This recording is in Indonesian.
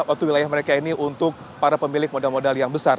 atau wilayah mereka ini untuk para pemilik modal modal yang besar